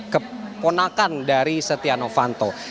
keponakan dari setia novanto